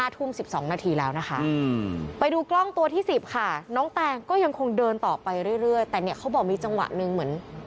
๑๒นาทีแล้วนะคะไปดูกล้องตัวที่๑๐ค่ะน้องแตงก็ยังคงเดินต่อไปเรื่อยแต่เนี่ยเขาบอกมีจังหวะหนึ่งเหมือน